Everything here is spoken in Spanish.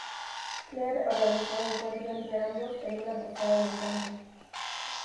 Claire organizó un encuentro entre ambos en una posada en el campo.